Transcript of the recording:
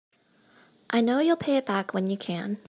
I know you'll pay it back when you can.